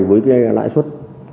với cái lãi suất năm